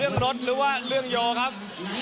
ร่วมรถหรือว่าร่วมโยครับ